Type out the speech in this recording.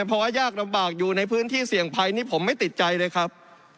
เพราะว่ายากลำบากอยู่ในพื้นที่เสี่ยงภัยนี่ผมไม่ติดใจเลยครับ